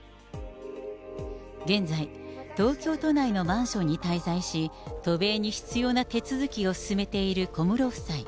現在、東京都内のマンションに滞在し、渡米に必要な手続きを進めている小室夫妻。